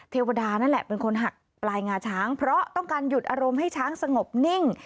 เทวดานั่นแหละเป็นคนหักปลายงาช้างเพราะต้องการหยุดอารมณ์ให้ช้างสงบนิ่ง